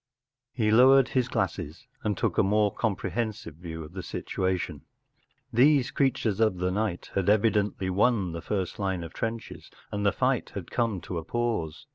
... He lowered his glasses and took a more comprehensive view of the situation. These creatures of the night had evidently won the first line of trenches and the fight had come to a pause.